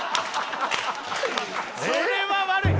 それは悪い！